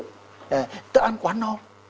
ờ ta ăn quá no